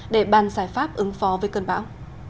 để ban giải pháp ứng phó với cơn bão